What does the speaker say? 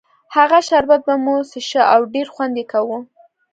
هغه شربت به مو څښه او ډېر خوند یې کاوه.